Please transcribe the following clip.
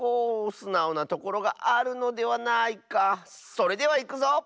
それではいくぞ！